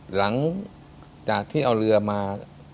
หลังจากที่เอาเรือมา